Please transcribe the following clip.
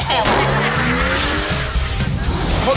คนต่อมาคุณบัวครับ